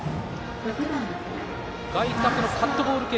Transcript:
外角のカットボール系